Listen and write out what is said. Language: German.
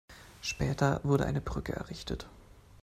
Später wurde eine Brücke errichtet.